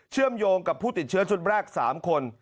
มโยงกับผู้ติดเชื้อชุดแรก๓คน